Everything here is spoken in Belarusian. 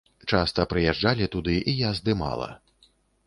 Часта прыязджалі туды, і я здымала.